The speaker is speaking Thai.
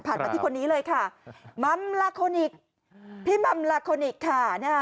มาที่คนนี้เลยค่ะมัมลาโคนิคพี่มัมลาโคนิคค่ะ